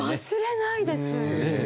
忘れないです。